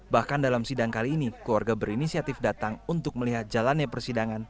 bahkan dalam sidang kali ini keluarga berinisiatif datang untuk melihat jalannya persidangan